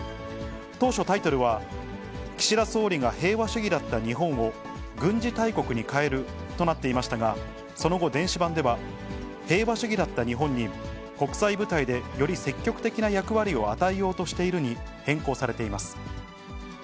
当初、タイトルは岸田総理が平和主義だった日本を軍事大国に変えるとなっていましたが、その後、電子版では、平和主義だった日本に国際舞台でより積極的な役割を与えようとしているに変更されています。